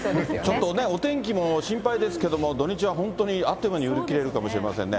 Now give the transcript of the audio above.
ちょっとね、お天気も心配ですけど、土日は本当にあっという間に売り切れるかもしれませんね。